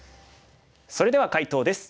それでは解答です。